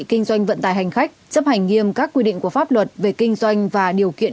kinh doanh vận tài hành khách chấp hành nghiêm các quy định của pháp luật về kinh doanh và điều kiện